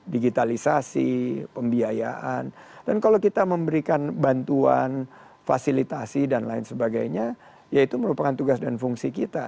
digitalisasi pembiayaan dan kalau kita memberikan bantuan fasilitasi dan lain sebagainya ya itu merupakan tugas dan fungsi kita